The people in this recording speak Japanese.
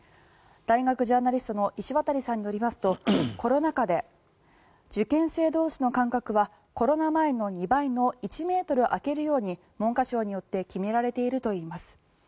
大学ジャーナリストの石渡さんによりますとコロナ禍で受験生同士の間隔はコロナ前の２倍の１ｍ空けるように文科省によって決められているといいます。